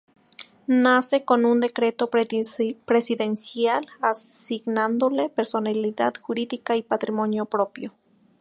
Nace con un Decreto Presidencial, asignándole personalidad jurídica y patrimonio propio.